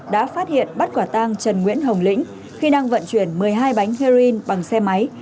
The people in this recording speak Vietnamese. đã phát hiện bắt quả tang trần nguyễn hồng lĩnh khi đang vận chuyển một mươi hai bánh heroin bằng xe máy